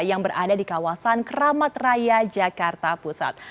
yang berada di kawasan keramat raya jakarta pusat